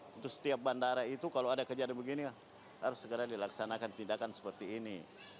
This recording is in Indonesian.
karena itu kalau ada kejadian begini harus segera dilaksanakan tindakan seperti ini